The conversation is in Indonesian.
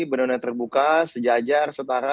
benar benar terbuka sejajar setara